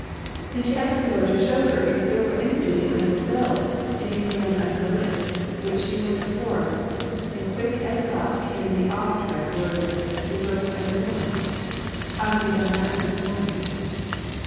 Then she asked the Lord to show her if there were any duty unfulfilled, any command unnoticed, which she might perform, and quick as thought came the often read words, "Rejoice evermore." "Have you done that this morning?"